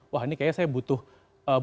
wah ini kayaknya saya butuh